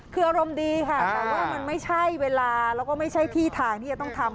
คืออารมณ์ดีค่ะแต่ว่ามันไม่ใช่เวลาแล้วก็ไม่ใช่ที่ทางที่จะต้องทำ